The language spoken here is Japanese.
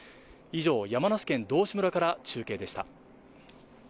以上、山梨県道志村から中継でした。